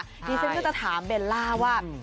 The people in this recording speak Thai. พี่เซนก็จะถามเบลล่าว่า